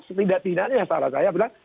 setidak tidaknya yang salah saya bilang